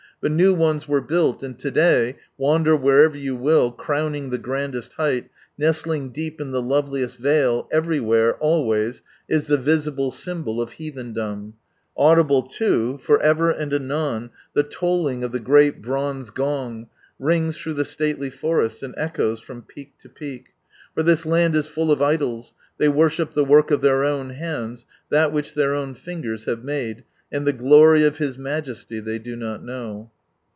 But new ones were built, and to day, wander wherever you will, crowning the grandest height, nestling deep in the loveliest vale, everywhere, always is the visible symbol of heathendom ; audible loo, for ever and anon the tolling of the great bronze gong rings through the stately forest, and echoes from peak to peak, For " this land is full of idols, they worship the work of their own hands, that which their own fingers have made," and " the glory of His Majesty " they do not know.